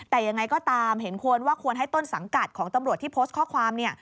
แต่ยังไงก็ตามเห็นควรว่าควรให้ต้นสังกัดของตำรวจที่โพสต์ข้อความเนี่ย